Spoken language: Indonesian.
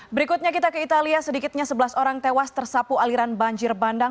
berikutnya kita ke italia sedikitnya sebelas orang tewas tersapu aliran banjir bandang